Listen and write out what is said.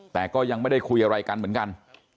แต่ก็ยังไม่ได้คุยอะไรกันเหมือนกัน